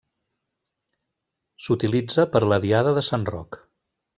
S'utilitza per a la diada de Sant Roc.